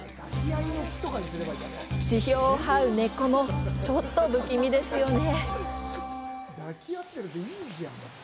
地表をはう根っこもちょっと不気味ですよね。